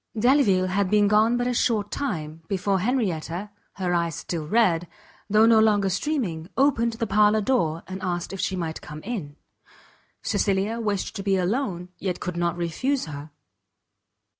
Delvile had been gone but a short time, before Henrietta, her eyes still red, though no longer streaming, opened the parlour door, and asked if she might come in? Cecilia wished to be alone, yet could not refuse her.